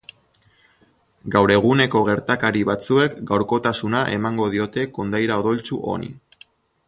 Gaur eguneko gertakari batzuek gaurkotasuna emango diote kondaira odoltsu honi.